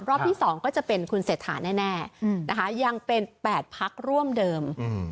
รอบที่๒ก็จะเป็นคุณเศรษฐาแน่นะคะยังเป็น๘พักร่วมเดิม